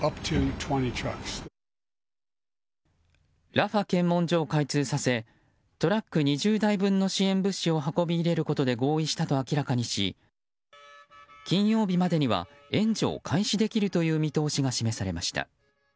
ラファ検問所を開通させトラック２０台分の支援物資を運び入れることで合意したと明らかにし金曜日までには援助を開始できるとの見通しが示されました。